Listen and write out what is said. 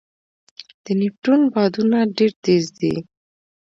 د نیپټون بادونه ډېر تېز دي.